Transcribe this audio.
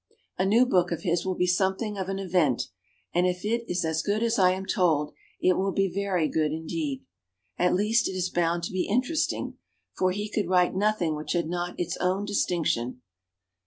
A new book of his will be something of an event, and if it is as good as I am told it will be very good indeed. At least, it is bound to be interesting, for he could write nothing which had not its own distinc tion.